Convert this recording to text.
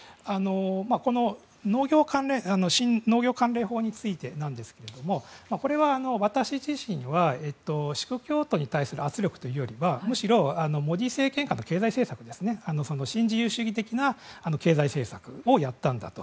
この新農業関連法についてですがこれは私自身はシーク教徒に対する圧力というよりはむしろモディ政権下の経済政策新自由主義的な経済政策をやったんだと。